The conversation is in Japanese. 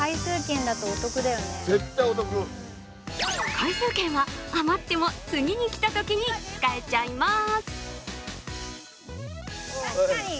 回数券は余っても次に来たときに使えちゃいます。